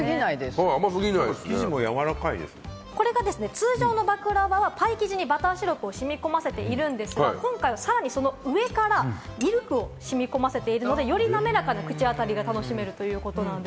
通常のバクラヴァはパイ生地にバターシロップを染み込ませているんですが、今回はさらにその上からミルクをしみこませているので、より滑らかな口当たりが楽しめるということなんです。